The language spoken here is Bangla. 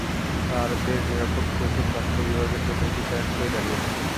তাঁদের নিরাপদ প্রসব স্বাস্থ্য বিভাগের জন্য একটি চ্যালেঞ্জ হয়ে দাঁড়িয়েছে।